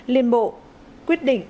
liên bộ quyết định